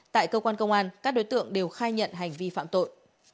tại cơ quan công an các đối tượng đều khai nhận hành vi phạm tội